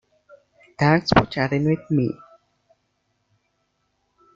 Thanks for chatting with me.